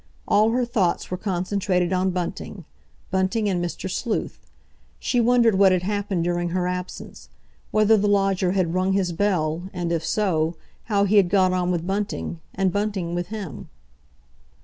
All her thoughts were concentrated on Bunting—Bunting and Mr. Sleuth. She wondered what had happened during her absence—whether the lodger had rung his bell, and, if so, how he had got on with Bunting, and Bunting with him?